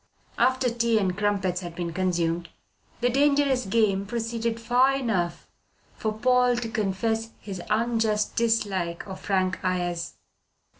After tea and crumpets had been consumed, the dangerous game proceeded far enough for Paul to confess his unjust dislike of Frank Ayres.